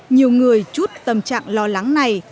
nhiều người chút tâm trạng lo lắng này